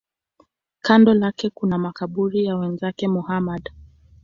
Kando lake kuna makaburi ya wenzake Muhammad.